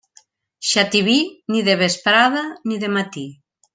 Xativí, ni de vesprada ni de matí.